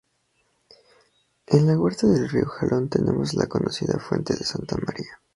En la huerta del río Jalón tenemos la conocida Fuente de Santa María.